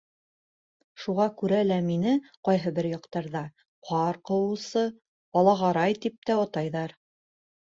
Шуға күрә лә мине ҡайһы бер яҡтарҙа ҡар ҡыуыусы, Алағарай тип тә атайҙар.